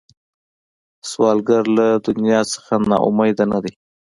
سوالګر له دنیا نه نا امیده نه دی